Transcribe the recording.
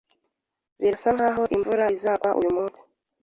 Birasa nkaho imvura izagwa uyumunsi.